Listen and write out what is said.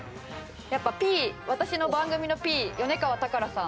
やっぱＰ私の番組のＰ米川宝さん。